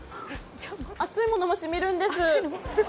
熱いものもしみるんです。